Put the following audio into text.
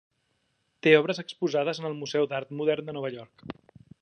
Té obres exposades en el Museu d'Art Modern de Nova York.